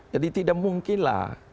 jadi tidak mungkinlah